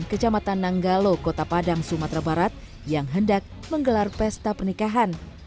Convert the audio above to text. kecamatan nanggalo kota padang sumatera barat yang hendak menggelar pesta pernikahan